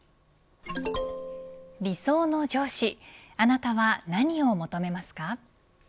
理想の上司あなたは何を求めますか。